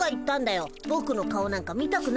ぼくの顔なんか見たくないって。